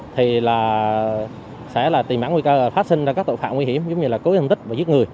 thì sẽ là tìm hãng nguy cơ phát sinh ra các tội phạm nguy hiểm giống như là cố hành tích và giết người